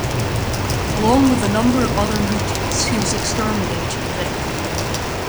Along with a number of other mutants, he was exterminated there.